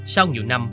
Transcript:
sau nhiều năm